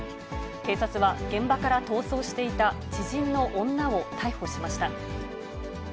警察は、現場から逃走していた知人の女を逮捕しました。